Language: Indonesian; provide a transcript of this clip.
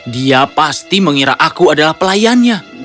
dia pasti mengira aku adalah pelayannya